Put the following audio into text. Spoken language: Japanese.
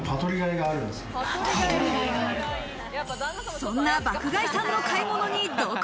そんな爆買いさんの買い物に同行。